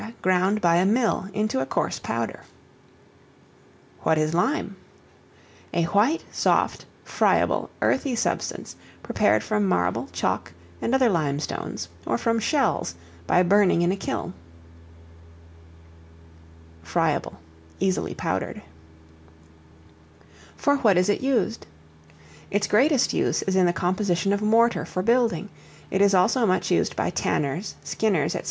ground by a mill into a coarse powder. What is Lime? A white, soft, friable, earthy substance, prepared from marble, chalk, and other lime stones, or from shells, by burning in a kiln. [Footnote 5: For a further account of it, see Chapters XIII. & XVI.] Friable, easily powdered. For what is it used? Its greatest use is in the composition of mortar for building; it is also much used by tanners, skinners, &c.